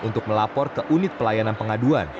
untuk melapor ke unit pelayanan pengaduan